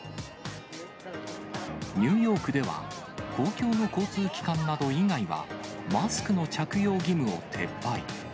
ニューヨークでは、公共の交通機関など以外はマスクの着用義務を撤廃。